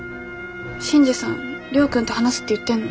新次さん亮君と話すって言ってんの？